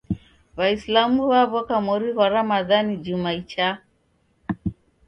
W'aisilamu w'aw'oka mori ghwa Ramadhani juma ichaa.